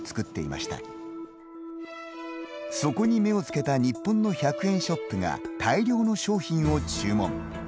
そこに目をつけた日本の１００円ショップが大量の商品を注文。